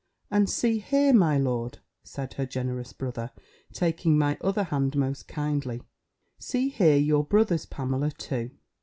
"And see here, my lord," said her generous brother, taking my other hand most kindly, "see here your brother's Pamela too!"